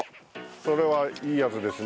それはいいやつですね。